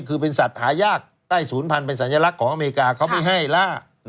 คือเป็นสัตว์หายากใต้ศูนย์พันธุ์เป็นสัญลักษณ์ของอเมริกาเขาไม่ให้ล่า